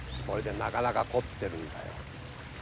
これでなかなか凝ってるんだよ。